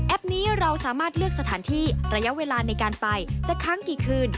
นี้เราสามารถเลือกสถานที่ระยะเวลาในการไปจะค้างกี่คืน